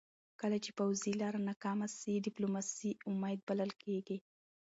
کله چې پوځي لاره ناکامه سي، ډيپلوماسي امید بلل کېږي .